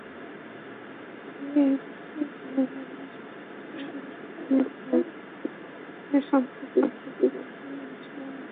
গেইলকে জরিমানার শাস্তি দিতে গিয়ে মেলবোর্ন রেনেগেডসে তাঁর সাম্প্রতিক আচরণ বিবেচনায় আনা হয়েছে।